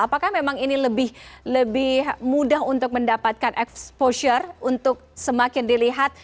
apakah memang ini lebih mudah untuk mendapatkan exposure untuk semakin dilihat